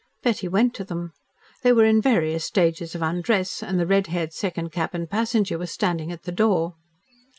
Betty went to them. They were in various stages of undress, and the red haired second cabin passenger was standing at the door.